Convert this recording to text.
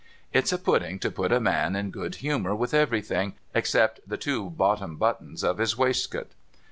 It's a pudding to put a man in good humour with everything, except the two bottom buttons of his waistcoat.